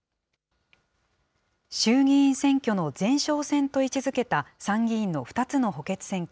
衆議院選挙の前哨戦と位置づけた参議院の２つの補欠選挙。